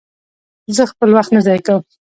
زه خپل وخت نه ضایع کوم.